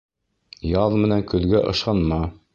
Яҙ менән көҙгә ышанма.